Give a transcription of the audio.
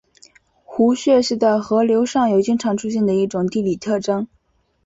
壶穴是在河流上游经常出现的一种地理特征。